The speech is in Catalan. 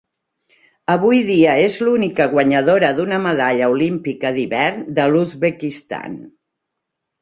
Avui dia és l'única guanyadora d'una medalla olímpica d'hivern de l'Uzbekistan.